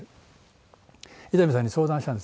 伊丹さんに相談したんですね。